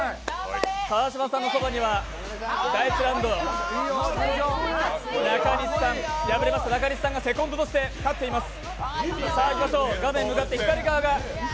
川島さんのそばには第１ラウンド、敗れました中西さんがセコンドとして立っています。